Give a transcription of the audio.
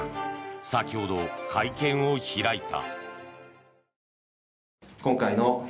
先ほど、会見を開いた。